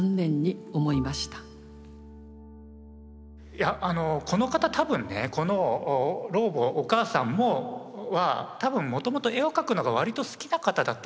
いやこの方多分ねこの老母お母さんは多分もともと絵を描くのが割と好きな方だったのかなって気がするんですよ。